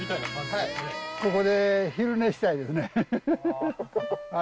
はい、ここで昼寝したいですね。